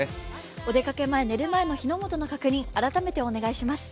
お出かけ前、寝る前も火の元の確認、改めてお願いします。